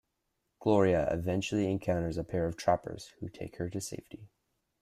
Gloria eventually encounters a pair of trappers, who take her to safety.